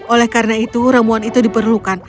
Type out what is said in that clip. oleh karena itu ramuan itu diperlukan